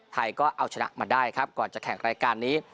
ก็เอาชนะมาได้ครับก่อนจะแข่งรายการนี้